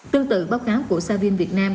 tương tự báo cáo của savin việt nam